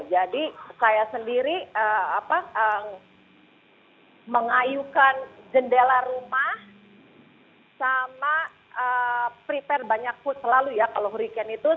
saya sendiri mengayukan jendela rumah sama prepare banyak food selalu ya kalau reken itu